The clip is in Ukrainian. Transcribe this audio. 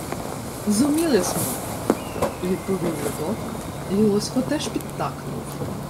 — Зуміли смо, — відповів Людота, й Лосько теж підтакнув.